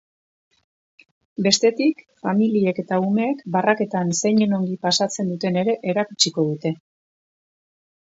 Bestetik, familiek eta umeek barraketan zeinen ongi pasatzen duten ere erakutsiko dute.